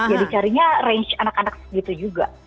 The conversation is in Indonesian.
jadi carinya range anak anak gitu juga